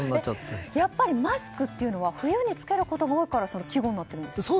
やっぱりマスクというのは冬に着けることが多いから季語になってるんですか？